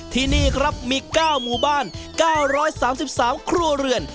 ที่นี่ครับมี๙หมู่บ้าน๙๓๓ครัวเรือน